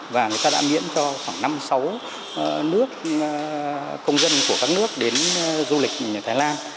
và người ta đã miễn cho khoảng năm sáu nước công dân của các nước đến du lịch thái lan